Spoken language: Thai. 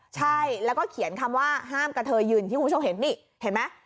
ใช่แล้วก็เขียนคำว่าห้ามกระเทยยืนที่คุณผู้ชมเห็นนี่เห็นไหม